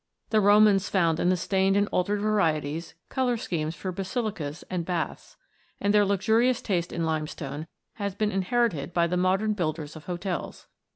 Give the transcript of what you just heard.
The Romans found in the stained and altered varieties colour schemes for basilicas and baths, and their luxurious taste in limestone has been inherited by the modern builders of hotels.